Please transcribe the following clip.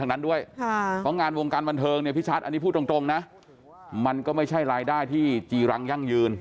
อันนี้พูดตรงนะมันก็ไม่ใช่รายได้ที่จีรังยั่งยืน